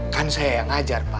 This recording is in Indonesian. kan saya yang ngajar pak